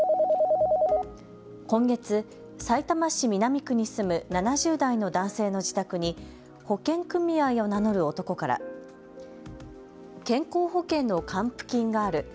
今月、さいたま市南区に住む７０代の男性の自宅に保険組合を名乗る男から健康保険の還付金がある。